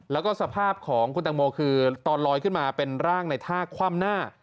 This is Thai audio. แล้วก็สภาพของคุณตังโมคือตอนลอยขึ้นมาเป็นร่างในท่าคว่ำหน้า